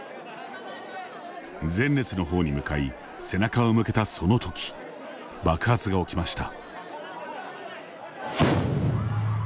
前列のほうに向い背中を向けたその時爆発が起きました。